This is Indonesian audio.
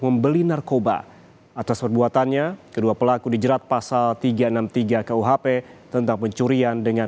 membeli narkoba atas perbuatannya kedua pelaku dijerat pasal tiga ratus enam puluh tiga kuhp tentang pencurian dengan